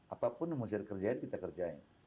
apapun yang harus kita kerjain kita kerjain